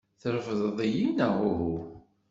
Trefdeḍ-iyi neɣ uhu?